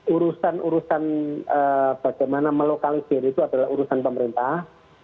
urusan urusan bagaimana melokalisir itu adalah urusan pemerintah